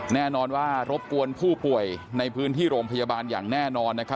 แน่นอนว่ารบกวนผู้ป่วยในพื้นที่โรงพยาบาลอย่างแน่นอน